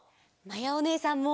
まやおねえさんも！